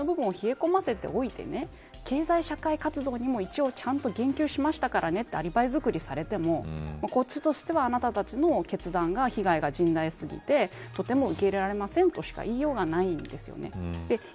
経営の気の部分を冷え込ませておいて経済社会活動にも一応、言及しましたからねってアリバイづくりをされてもこっちしてはあなたたちの決断が被害が甚大すぎてとても受け入れられませんとしか言いようがないんです。